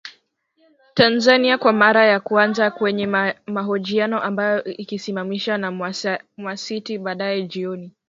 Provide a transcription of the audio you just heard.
Tanzania kwa mara ya kwanza kwenye mahojiano ambayo ikisimamiwa na Mwasiti Baadae jioni